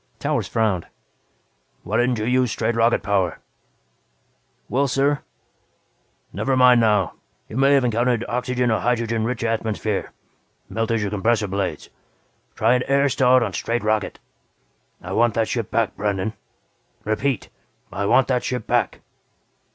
Towers frowned. "Why didn't you use straight rocket power?" "Well, sir " "Never mind now. You may have encountered oxygen or hydrogen rich atmosphere melted your compressor blades. Try an air start on straight rocket. I want that ship back, Brandon. Repeat, I want that ship back!"